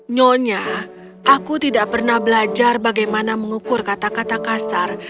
nyonya aku tidak pernah belajar bagaimana mengukur kata kata kasar